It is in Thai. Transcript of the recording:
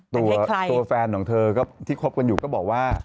ตัวแฟนของเธอก็ที่คบกันอยู่ก็บอกว่า